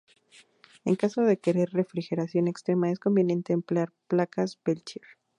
En caso de querer refrigeración extrema, es conveniente emplear placas peltier.